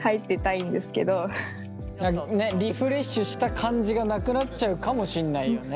リフレッシュした感じがなくなっちゃうかもしんないよね。